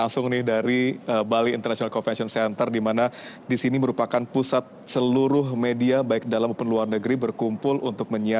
selamat pagi ruli